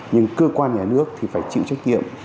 nhưng cơ quan nhà nước thì phải chịu trách nhiệm